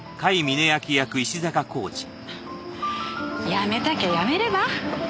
辞めたきゃ辞めれば？